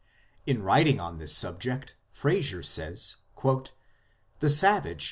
In writing on this subject Frazer says :" The savage .